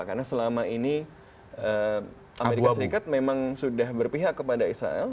karena selama ini amerika serikat memang sudah berpihak kepada israel